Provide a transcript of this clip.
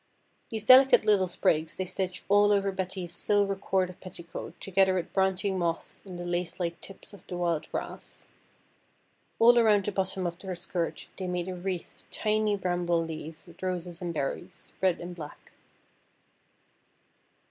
These delicate little sprigs they stitched all over Betty's silver corded petticoat together with branching moss and the lace like tips of the wild grass. All around the bottom of her skirt they made a wreath of tiny bramble leaves with roses and berries, red and black.